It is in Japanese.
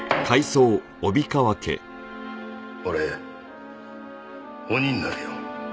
俺鬼になるよ。